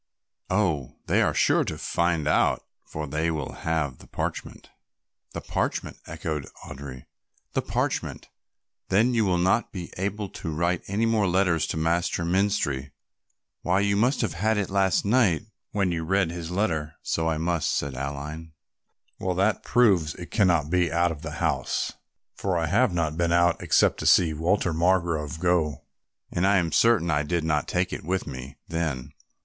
"Oh, they are sure to find out, for they will have the parchment." "The parchment," echoed Audry, "the parchment; then you will not be able to write any more letters to Master Menstrie. Why, you must have had it last night when you read his letter." "So I must," said Aline. "Well, that proves it cannot be out of the house, for I have not been out except to see Walter Margrove go, and I am certain I did not take it with me then.